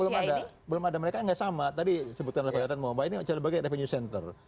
belum ada belum ada mereka tidak sama tadi sebutkan revenue center ini sebagai revenue center